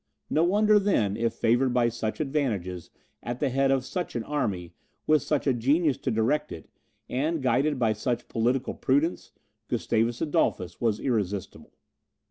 No wonder, then, if favoured by such advantages, at the head of such an army, with such a genius to direct it, and guided by such political prudence, Gustavus Adolphus was irresistible.